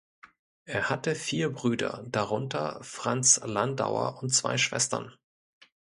Er hatte vier Brüder, darunter Franz Landauer und zwei Schwestern.